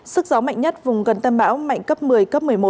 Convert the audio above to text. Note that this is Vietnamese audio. sức gió mạnh nhất vùng gần tâm bão mạnh cấp một mươi cấp một mươi một